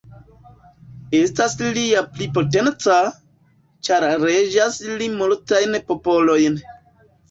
Estas li ja pli potenca, ĉar reĝas li multajn popolojn.